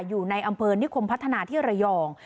อยู่ในอำเภอนิคมพัฒนาที่ระยอง